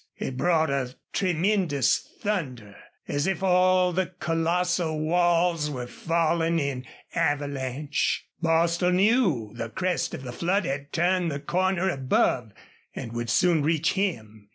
It brought a tremendous thunder, as if all the colossal walls were falling in avalanche. Bostil knew the crest of the flood had turned the corner above and would soon reach him.